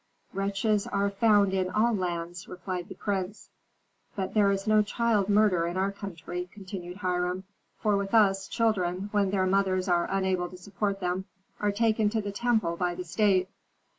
"Wretches are found in all lands," replied the prince. "But there is no child murder in our country," continued Hiram, "for with us children, when their mothers are unable to support them, are taken to the temple by the state."